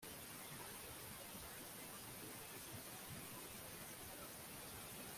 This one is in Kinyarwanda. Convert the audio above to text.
ku rwego rw ubuyobozi ibigomba gushingirwaho